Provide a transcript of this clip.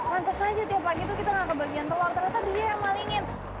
lantas saja tiap pagi itu kita gak kebagian telur ternyata dia yang malingin